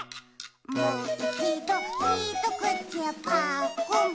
「もういちどひとくちぱっくん」ま。